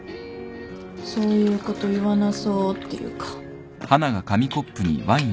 そういうこと言わなそうっていうか。